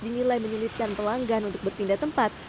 dinilai menyulitkan pelanggan untuk berpindah tempat